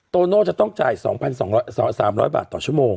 โตโน่จะต้องจ่าย๒๒๐๐บาทต่อชั่วโมง